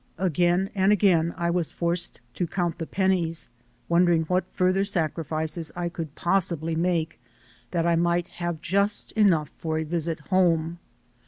Again and again I was forced to count the pennies, wondering what further sacri fices I could possibly make that I might have just enough for a visit home.